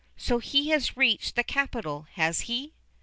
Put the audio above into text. So he has reached the capital, has he?"